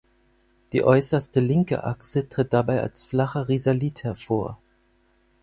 Die äußerste linke Achse tritt dabei als flacher Risalit hervor.